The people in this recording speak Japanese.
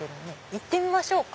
行ってみましょうか。